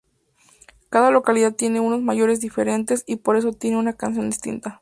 Cada localidad tiene unos mayos diferentes, y por eso tienen una canción distinta.